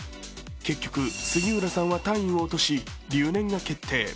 結局、杉浦さんは単位を落とし、留年が決定。